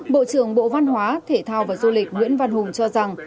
bộ trưởng bộ văn hóa thể thao và du lịch nguyễn văn hùng cho rằng